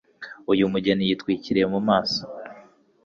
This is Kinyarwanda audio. Uyu mugeni yitwikiriye mu maso.